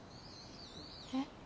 えっ？